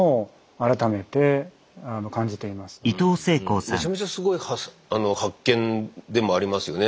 めちゃめちゃすごい発見でもありますよね。